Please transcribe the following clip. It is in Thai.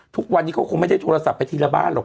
ทุกวันนี้เขาคงไม่ได้โทรศัพท์ไปทีละบ้านหรอก